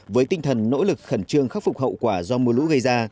với tinh thần nỗ lực khẩn trương khắc phục hậu quả do mưa lũ gây ra